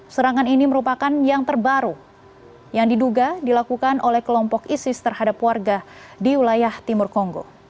serangan ini merupakan yang terbaru yang diduga dilakukan oleh kelompok isis terhadap warga di wilayah timur kongo